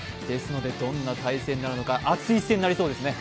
どんな対戦になるのか、熱い一戦になりそうですね。